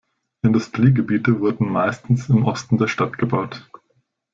Industriegebiete wurden meistens im Osten der Stadt gebaut.